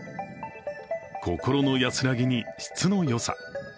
心の安らぎに質のよさ。